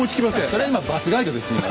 それは今バスガイドですね。